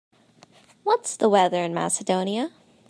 What's the weather in Macedonia